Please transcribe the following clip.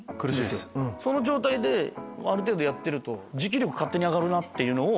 その状態である程度やってると持久力勝手に上がるっていう。